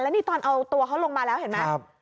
นี่ตอนเอาตัวเขาลงมาแล้วเห็นไหม